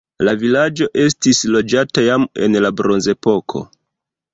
La vilaĝo estis loĝata jam en la bronzepoko.